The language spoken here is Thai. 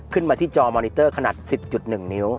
ขึ้นมาที่จอมอนิเตอร์ขนาด๑๐๑นิ้ว